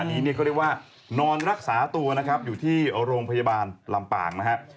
ขณะนี้ก็เรียกว่านอนรักษาตัวอยู่ที่โรงพยาบาลลำปางนะครับ